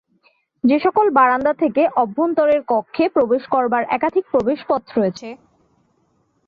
যে সকল বারান্দা থেকে অভ্যন্তরের কক্ষে প্রবেশ করবার একাধিক প্রবেশপথ রয়েছে।